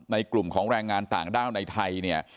กลุ่มของแรงงานต่างด้าวในไทยเนี่ย